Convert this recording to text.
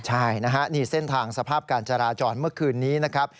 ใช่นะฮะนี่เส้นทางสภาพการจราจรเมื่อคืนนี้นะครับ